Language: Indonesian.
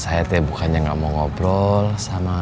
saya teh bukannya gak mau ngobrol sama mimin